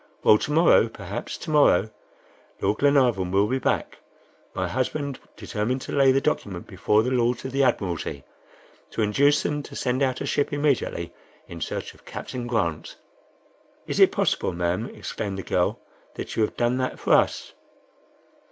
"Well, to morrow, perhaps, to morrow, Lord Glenarvan will be back. My husband determined to lay the document before the Lords of the Admiralty, to induce them to send out a ship immediately in search of Captain Grant." "Is it possible, ma'am," exclaimed the girl, "that you have done that for us?"